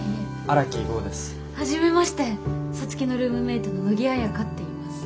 はじめまして皐月のルームメートの野木綾花っていいます。